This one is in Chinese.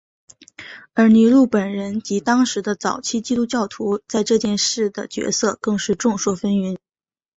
而尼禄本人及当时的早期基督教徒在这件事的角色更是众说纷纭。